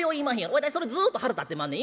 わたいそれずっと腹立ってまんねん。